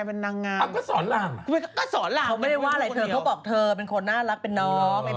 ไม่ได้ว่าอะไรเขาบอกเธอเป็นคนน่ารักนะคะเป็นน้อง